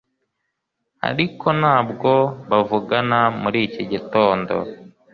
ariko ntabwo bavugana muri iki gitondo